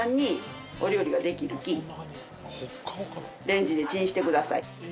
レンジでチンしてください。